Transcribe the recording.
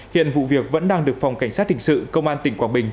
hiện vụ việc vẫn đang được phòng cảnh sát hình sự công an tỉnh quảng bình